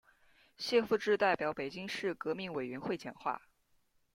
谢富治代表北京市革命委员会讲话。